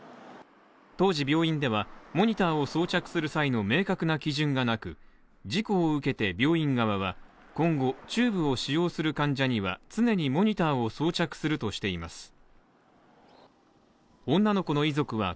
当時、病院ではモニターを装着する際の明確な基準がなく事故を受けて病院側は今後、チューブを使用する患者には常にモニターを装着するとしています。